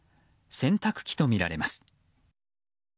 洗濯機とみられます。